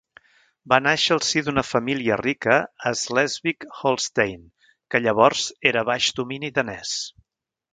Va nàixer al si d'una família rica a Slesvig-Holstein, que llavors era baix domini danés.